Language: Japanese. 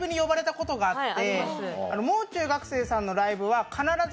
もう中学生さんのライブは。えっ！？